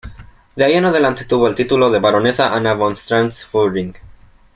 De ahí en adelante tuvo el título de Baronesa Anna von Strantz-Führing.